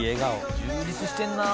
充実してるなあ。